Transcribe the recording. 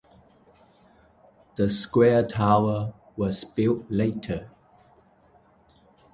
The square tower was built later.